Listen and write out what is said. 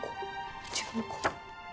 違うか。